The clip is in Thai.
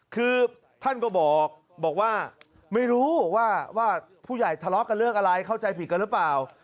คือท่านก็บอกว่าไม่รู้ว่าผู้ใหญ่ทะเลาะกันเรื่องอะไรเข้าใจผิดกันหรือเปล่า